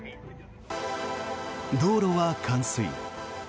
道路は冠水。